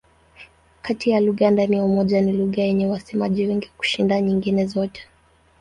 Kati ya lugha ndani ya Umoja ni lugha yenye wasemaji wengi kushinda nyingine zote.